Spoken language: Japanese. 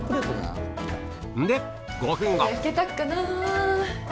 んで５分後焼けたかな？